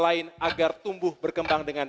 lain agar tumbuh berkembang dengan